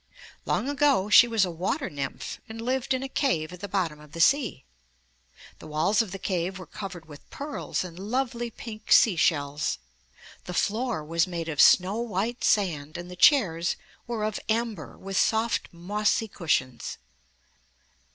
Long ago she was a water nymph and lived in a cave at the bottom of the sea. The walls of the cave were covered with pearls and lovely pink sea shells. The floor was made of snow white sand, and the chairs were of amber, with soft, mossy cushions.